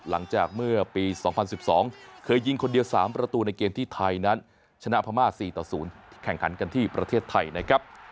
หลังจากเมื่อปี๒๐๑๒เคยยิงคนเดียว๓ประตูในเกมที่ไทยนั้นชนะพม่า๔ต่อ๐แข่งขันกันที่ประเทศไทยนะครับ